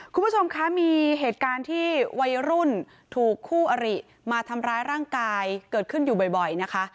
คุณผู้ชมคะมีเหตุการณ์ที่วัยรุ่นถูกคู่อริมาทำร้ายร่างกายเกิดขึ้นอยู่บ่อยนะคะ